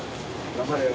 頑張れよ。